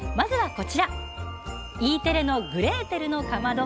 Ｅテレの「グレーテルのかまど」。